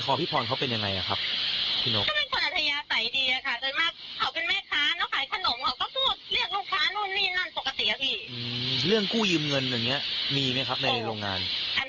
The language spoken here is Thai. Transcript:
คุณคุณพูดอะไรเกี่ยวกับเรื่องนี้ให้ฟังอาจารย์